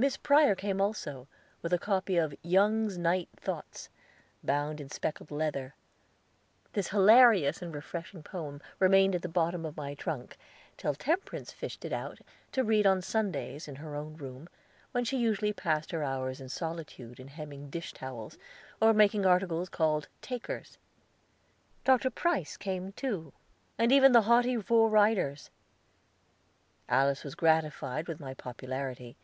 Miss Prior came also, with a copy of "Young's Night Thoughts," bound in speckled leather This hilarious and refreshing poem remained at the bottom of my trunk, till Temperance fished it out, to read on Sundays, in her own room, where she usually passed her hours of solitude in hemming dish towels, or making articles called "Takers." Dr. Price came, too, and even the haughty four Ryders. Alice was gratified with my popularity.